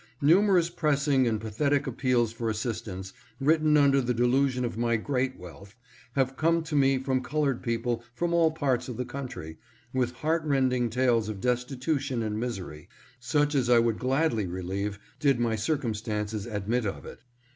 Numerous pressing and pathetic appeals for assistance, written under the delusion of my great wealth, have come to me from colored people from all parts of the country, with heart rending tales of destitution and misery, such as I would gladly relieve did my circum stances admit of it.